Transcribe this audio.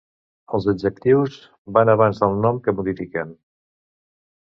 Els adjectius van abans del nom que modifiquen.